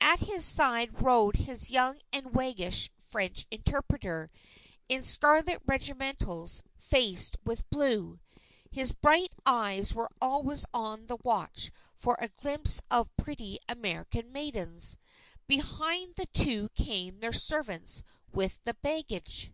At his side rode his young and waggish French interpreter in scarlet regimentals faced with blue. His bright eyes were always on the watch for a glimpse of pretty American maidens. Behind the two came their servants with the baggage.